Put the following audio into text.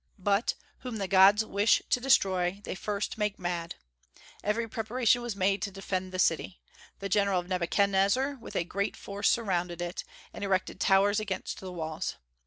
But "whom the gods wish to destroy they first make mad." Every preparation was made to defend the city. The general of Nebuchadnezzar with a great force surrounded it, and erected towers against the walls.